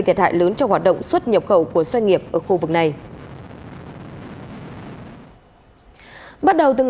về lúc chữa cháy ban đầu